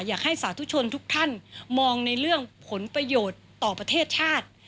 สาธุชนทุกท่านมองในเรื่องผลประโยชน์ต่อประเทศชาติ